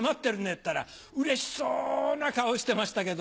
ったらうれしそうな顔してましたけど。